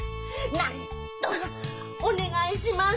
なんとかお願いします！